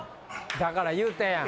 だから言うたやん。